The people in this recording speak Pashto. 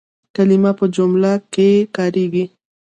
کلیمه په جمله کښي کارېږي.